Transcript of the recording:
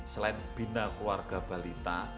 selain bina keluarga balita